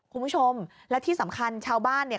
คุณผู้ชมและที่สำคัญชาวบ้านเนี่ย